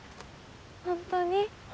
本当に。